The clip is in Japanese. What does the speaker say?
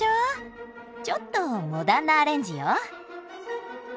ちょっとモダンなアレンジよ。